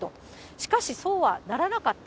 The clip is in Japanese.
しかし、そうはならなかった。